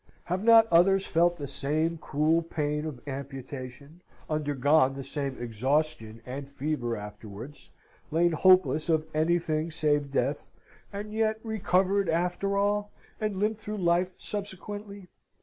Have not others felt the same cruel pain of amputation, undergone the same exhaustion and fever afterwards, lain hopeless of anything save death, and yet recovered after all, and limped through life subsequently?